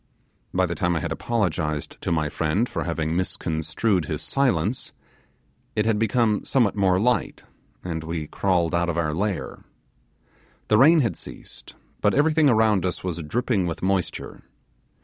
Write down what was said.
By the time I had apologized to my friend for having misconstrued his silence, it had become somewhat more light, and we crawled out of our lair. The rain had ceased, but everything around us was dripping with moisture.